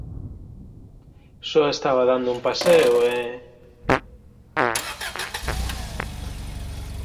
Só estaba dando un paseo, e...